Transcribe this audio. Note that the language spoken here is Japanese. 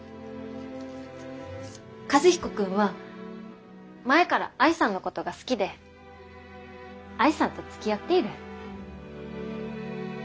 和彦君は前から愛さんのことが好きで愛さんとつきあっている。